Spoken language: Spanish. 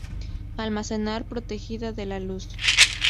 Almacenar protegida de la luz.